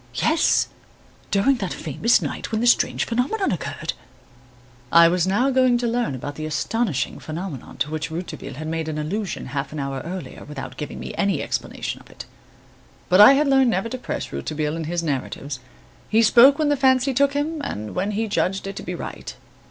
"Yes, during that famous night when the strange phenomenon occurred." I was now going to learn about the astonishing phenomenon to which Rouletabille had made allusion half an hour earlier without giving me any explanation of it. But I had learned never to press Rouletabille in his narratives. He spoke when the fancy took him and when he judged it to be right.